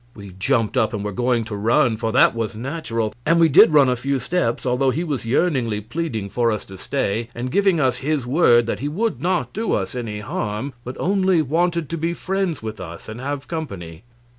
We jumped up and were going to run, for that was natural; and we did run a few steps, although he was yearningly pleading for us to stay, and giving us his word that he would not do us any harm, but only wanted to be friends with us and have company.